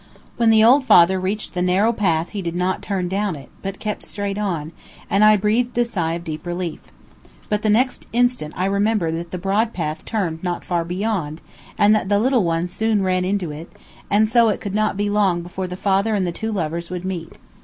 When the old father reached the narrow path he did not turn down it, but kept straight on, and I breathed a sigh of deep relief. But the next instant I remembered that the broad path turned not far beyond, and that the little one soon ran into it, and so it could not be long before the father and the lovers would meet.